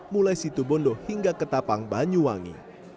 mulai situ bondo hingga ke tapang banyuwangi